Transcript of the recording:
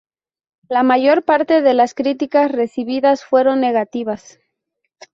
La mayor parte de las críticas recibidas fueron negativas.